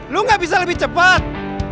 lu gak bisa lebih cepat